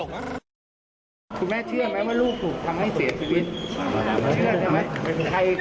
คุณแม่เชื่อไหมว่าลูกหัวทำให้เสียชีวิต